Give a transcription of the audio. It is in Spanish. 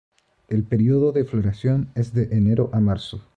El período de floración es de enero a marzo.